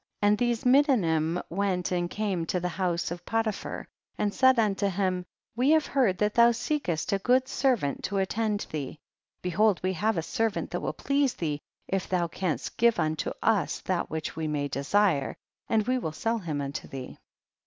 5. And these Medanim went and came to the house of Potiphar, and said unto him, we have heard that thou seekest a good servant to attend thee, behold we have a servant that will please thee, if thou canst give unto us that which we may desire, and we will sell him unto thee.